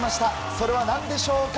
それは何でしょうか。